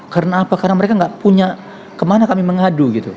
karena apa karena mereka nggak punya kemana kami mengadu gitu